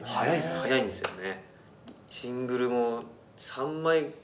早いんですよね。